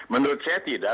menurut saya tidak